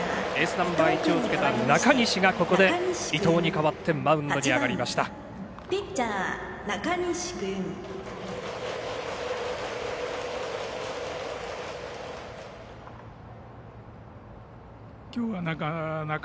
ナンバー１をつけた中西が伊藤に代わってマウンドに上がりました。